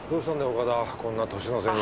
岡田こんな年の瀬に。